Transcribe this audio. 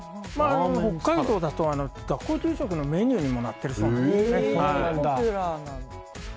北海道だと、学校給食のメニューにもなっているそうです。